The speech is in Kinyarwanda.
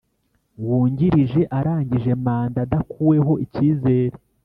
Wungirije arangije manda adakuweho icyizere